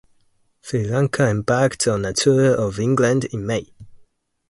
Sri Lanka embarked on a tour of England in May.